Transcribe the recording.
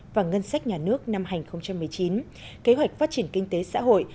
và ngân sách nhà nước năm hai nghìn một mươi chín kế hoạch phát triển kinh tế xã hội